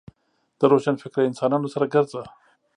د روشنفکره انسانانو سره ګرځه .